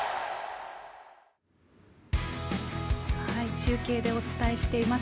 中継でお伝えしています。